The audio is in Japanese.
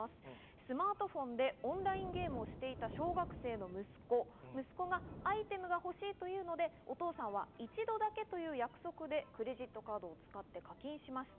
スマートフォンでオンラインゲームをしていた小学生の息子がアイテムを欲しいというのでお父さんは一度だけという約束でクレジットカードを使って課金しました。